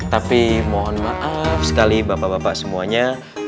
tapi mohon maaf sekali bapak bapak semuanya